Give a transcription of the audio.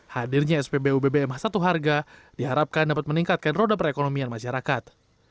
hadirnya spbu bbm satu harga diharapkan dapat meningkatkan roda perekonomian masyarakat